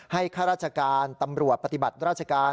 ข้าราชการตำรวจปฏิบัติราชการ